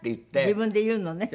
自分で言うのね。